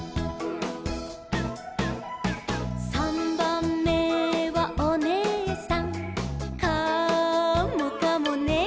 「さんばんめはおねえさん」「カモかもね」